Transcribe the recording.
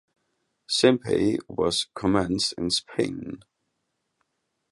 Simpay was commenced in Spain.